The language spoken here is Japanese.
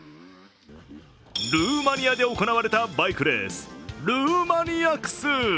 ルーマニアで行われたバイクレース、ルーマニアクス。